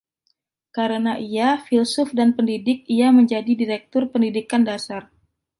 Karena ia filsuf dan pendidik, ia menjadi Direktur Pendidikan Dasar.